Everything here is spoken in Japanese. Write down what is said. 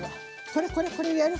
これこれこれでやる？